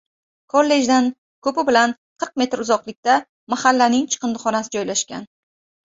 Kollejdan koʻpi bilan qirq metr uzoqlikda mahallaning chiqindixonasi joylashgan.